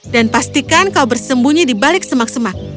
dan pastikan kau bersembunyi di balik semak semak